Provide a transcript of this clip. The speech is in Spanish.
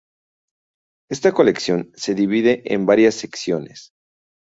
Esta colección se divide en varias secciones.